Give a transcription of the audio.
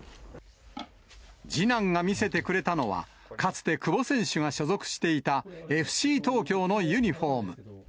次男が見せてくれたのは、かつて久保選手が所属していたＦＣ東京のユニホーム。